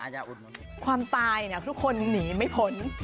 ความตายเนี่ยทุกคนหนีไม่พ้น